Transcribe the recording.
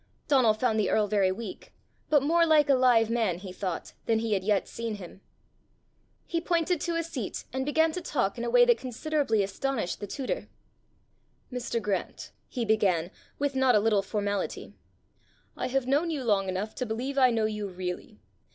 Donal found the earl very weak, but more like a live man, he thought, than he had yet seen him. He pointed to a seat, and began to talk in a way that considerably astonished the tutor. "Mr. Grant," he began, with not a little formality, "I have known you long enough to believe I know you really.